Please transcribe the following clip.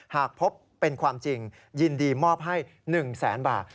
หากพบเป็นความจริงยินดีมอบให้๑แสนบาท